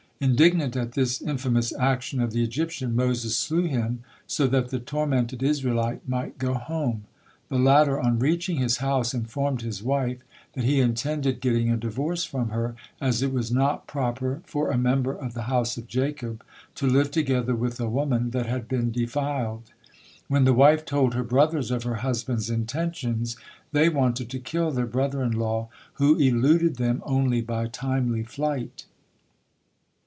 Indignant at this infamous action of the Egyptian, Moses slew him, so that the tormented Israelite might go home. The latter, on reaching his house, informed his wife that he intended getting a divorce from her, as it was not proper for a member of the house of Jacob to live together with a woman that had been defiled. When the wife told her brothers of her husband's intentions, they wanted to kill their brother in law, who eluded them only by timely flight.